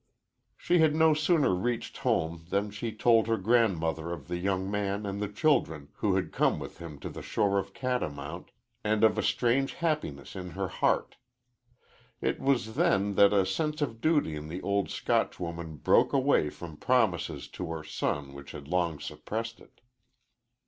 She had no sooner reached home than she told her grandmother of the young man and the children who had come with him to the shore of Catamount and of a strange happiness in her heart. It was then that a sense of duty in the old Scotchwoman broke away from promises to her son which had long suppressed it.